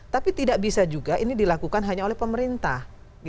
tapi tidak bisa juga ini dilakukan hanya oleh pemerintah